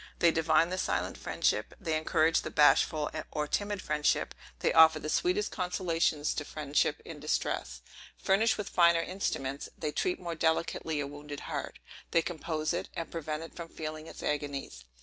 They divine the silent friendship; they encourage the bashful or timid friendship; they offer the sweetest consolations to friendship in distress. Furnished with finer instruments, they treat more delicately a wounded heart. They compose it, and prevent it from feeling its agonies.